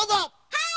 はい！